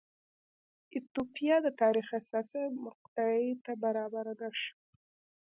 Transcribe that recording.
ایتوپیا د تاریخ حساسې مقطعې ته برابر نه شو.